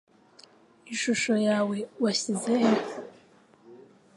Ishusho yawe washyize he?